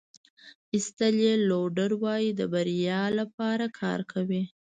ایسټل لوډر وایي د بریا لپاره کار کوئ.